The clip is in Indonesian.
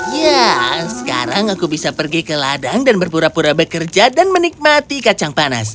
ya sekarang aku bisa pergi ke ladang dan berpura pura bekerja dan menikmati kacang panas